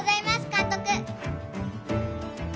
監督！